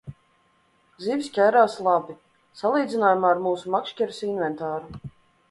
Zivis ķērās labi, salīdzinājumā ar mūsu makšķeres inventāru.